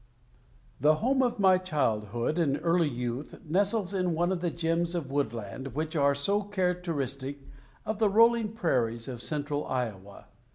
The home of my childhood and early youth nestles in one of the gems of woodland which are so characteristic of the rolling prairies of central Iowa.